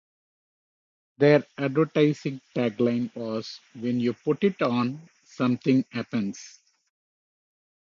Their advertising tagline was "when you put it on, something happens".